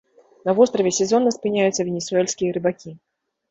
На востраве сезонна спыняюцца венесуэльскія рыбакі.